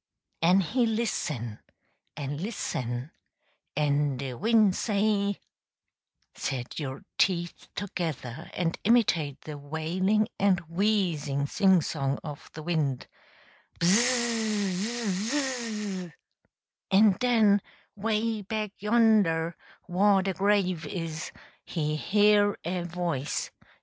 En he listen en listen en de win' say (set your teeth together and imitate the wailing and wheezing singsong of the wind), "Bzzz z zzz" en den, way back yonder whah de grave is, he hear a voice!